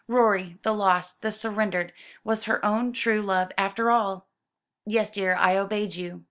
Rorie, the lost, the surrendered, was her own true lover after all! "Yes, dear, I obeyed you.